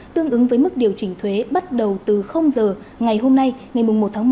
tương ứng với mức điều chỉnh thuế bắt đầu từ giờ ngày hôm nay ngày một một hai nghìn hai mươi ba